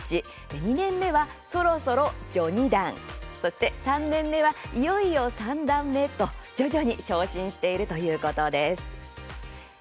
２年目は「そろそろ序二段」そして３年目は「いよいよ三段目」と徐々に昇進しているとのことです。